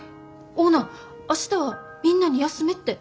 オーナー明日はみんなに休めって。